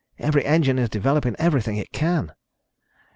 Every engine is developing everything it can!"